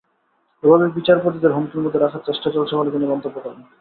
এভাবে বিচারপতিদের হুমকির মধ্যে রাখার চেষ্টা চলছে বলে তিনি মন্তব্য করেন।